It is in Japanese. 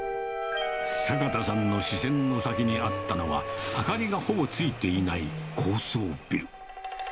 坂田さんの視線の先にあったのは、明かりがほぼついていない高層ビル。